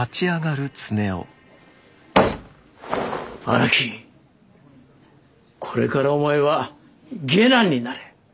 荒木これからお前は下男になれ。